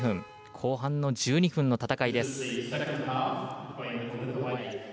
後半の１２分の戦いです。